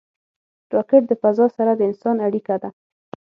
راکټ د فضا سره د انسان اړیکه ده